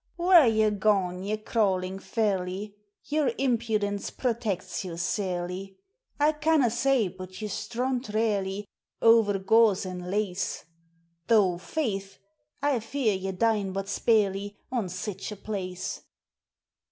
whare ye gaun, ye crawlin' ferlie? Your impudence protects you sair^ ; I canna say but ye strunt rarely Owre gauze an' lace; Though, faith ! I fear ye dine but sparely On sic a place.